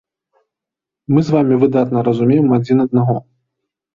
Мы з вамі выдатна разумеем адзін аднаго.